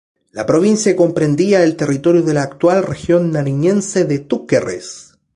La provincia comprendía el territorio de la actual región nariñense de Túquerres.